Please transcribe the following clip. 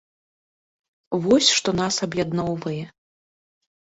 Вось што нас аб'ядноўвае.